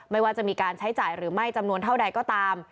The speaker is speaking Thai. ไม่ว่าจะมีการใช้จ่ายหรือไม่จำนวนเท่าใดก็ตาม